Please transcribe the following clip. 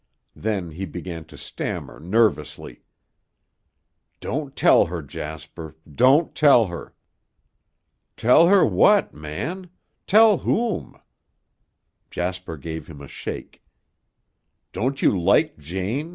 Then he began to stammer nervously. "Don't tell her, Jasper, don't tell her." "Tell her what, man? Tell whom?" Jasper gave him a shake. "Don't you like Jane?